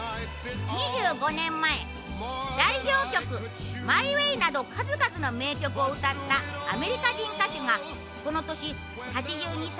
２５年前代表曲『ＭｙＷａｙ』など数々の名曲を歌ったアメリカ人歌手がこの年８２歳で他界